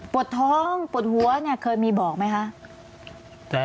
ปวดท้องปวดหัวเนี่ยเคยมีบอกไหมคะ